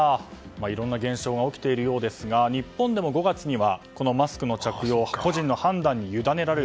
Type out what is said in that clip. いろんな現象が起きているようですが日本でも５月にはマスクの着用個人の判断に委ねられる。